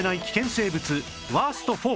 生物ワースト４